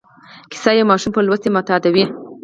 کیسه یو ماشوم په لوست معتادوي.